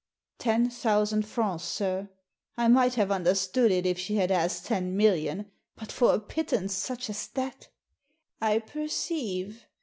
"Ten thousand francs, sir. I might have under stood it if she had asked ten million, but for a pit tance such as that I "" I perceive.